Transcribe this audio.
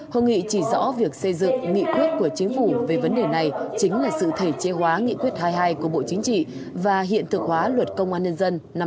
hội nghị chỉ rõ việc xây dựng nghị quyết của chính phủ về vấn đề này chính là sự thể chế hóa nghị quyết hai mươi hai của bộ chính trị và hiện thực hóa luật công an nhân dân năm hai nghìn hai mươi ba